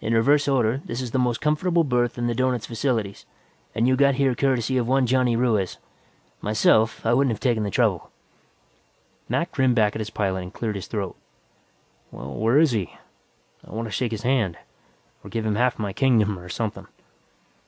In reverse order, this is the most comfortable berth in the doughnut's facilities, and you got here courtesy of one Johnny Ruiz. Myself, I wouldn't have taken the trouble." Mac grinned back at his pilot and cleared his throat. "Well, where is he? I wanta shake his hand, or give him half my kingdom, or something."